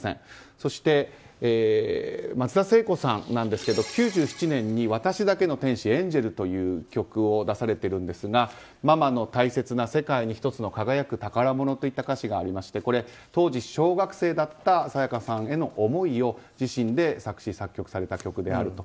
そして松田聖子さんなんですが９７年に「私だけの天使Ａｎｇｅｌ」という曲を出されているんですが「ママの大切な世界にひとつの輝く宝物」といった歌詞がありまして当時、小学生だった沙也加さんへの思いを自身で作詞作曲された曲であると。